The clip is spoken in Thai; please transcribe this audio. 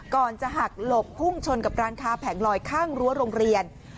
ก่อนจะหักหลบพุ่งชนกับร้านค้าแผงลอยข้างรั้วโรงเรียน